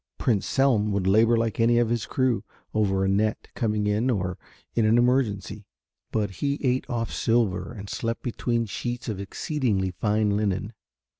Prince Selm would labour like any of his crew over a net coming in or in an emergency, but he ate off silver and slept between sheets of exceedingly fine linen.